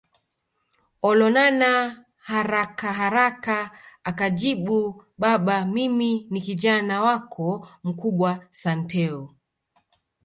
Olonana harakaharaka akajibu Baba mimi ni Kijana wako mkubwa Santeu